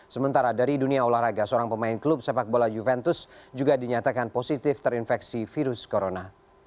sementara dari dunia olahraga seorang pemain klub sepak bola juventus juga dinyatakan positif terinfeksi virus corona